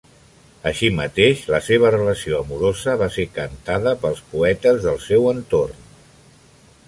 Així mateix, la seva relació amorosa va ser cantada pels poetes del seu entorn.